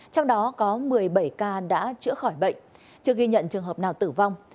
trong đó có một mươi bảy ca đã chữa khỏi bệnh chưa ghi nhận trường hợp nào tử vong